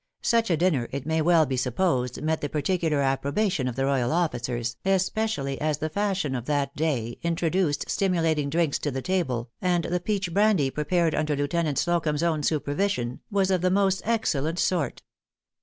Such a dinner, it may well be supposed, met the particular approbation of the royal officers, especially as the fashion of that day introduced stimulating drinks to the table, and the peach brandy prepared under Lieutenant Slocumb's own supervision, was of the most excellent sort.